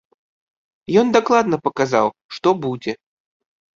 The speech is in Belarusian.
Ён дакладна паказаў, што будзе.